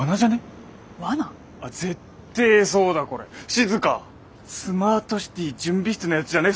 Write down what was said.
静スマートシティ準備室のやつじゃね？